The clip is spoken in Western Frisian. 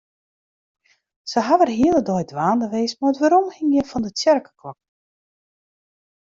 Se hawwe de hiele dei dwaande west mei it weromhingjen fan de tsjerkeklokken.